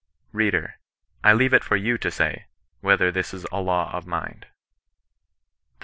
Reader ! I lea?e it for you to say, whether this is not a law of mind. The Bey.